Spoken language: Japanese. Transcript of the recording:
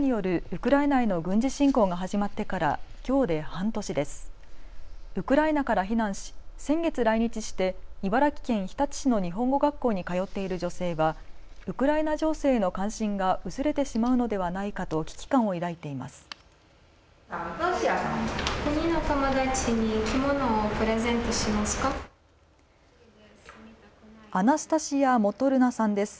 ウクライナから避難し先月、来日して茨城県日立市の日本語学校に通っている女性はウクライナ情勢への関心が薄れてしまうのではないかと危機感を抱いています。